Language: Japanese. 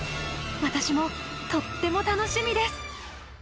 私もとっても楽しみです。